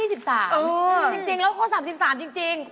จริงแล้วเขา๓๓จริง